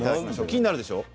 気になるでしょう？